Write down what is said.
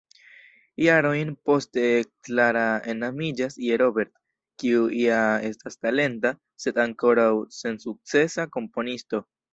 Jarojn poste Clara enamiĝas je Robert, kiu ja estas talenta, sed ankoraŭ sensukcesa komponisto.